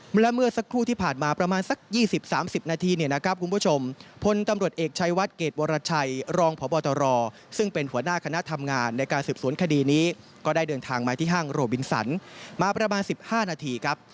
เมื่อสักครู่ที่ผ่านมาประมาณสัก๒๐๓๐นาทีเนี่ยนะครับคุณผู้ชมพลตำรวจเอกชัยวัดเกรดวรชัยรองพบตรซึ่งเป็นหัวหน้าคณะทำงานในการสืบสวนคดีนี้ก็ได้เดินทางมาที่ห้างโรบินสันมาประมาณ๑๕นาทีครับ